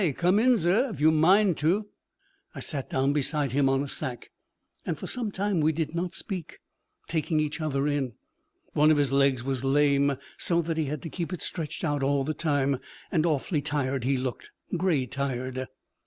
Come in, zurr, if yu'm a mind tu.' I sat down beside him on a sack. And for some time we did not speak, taking each other in. One of his legs was lame, so that he had to keep it stretched out all the time; and awfully tired he looked, gray tired.